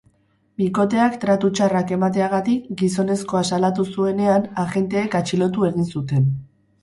Bikoteak tratu txarrak emateagatik gizonezkoa salatu zuenean, agenteek atxilotu egin zuten.